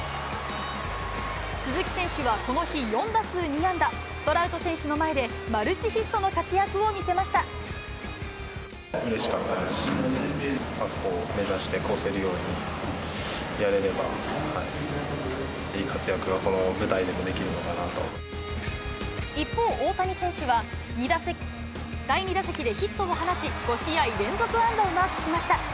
鈴木選手はこの日、４打数２安打、トラウト選手の前で、うれしかったですし、そこを目指してこせるようにやれれば、いい活躍がこの舞台でもで一方、大谷選手は、第２打席でヒットを放ち、５試合連続安打をマークしました。